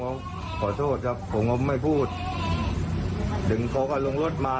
ผมก็ขอโทษครับผมว่าไม่พูดถึงเค้าก็ลงรถมา